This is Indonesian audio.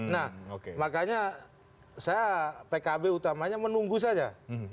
nah makanya saya pkb utamanya menunggu saja